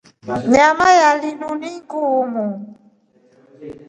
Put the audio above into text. Nyama ya linu ni ngiumu.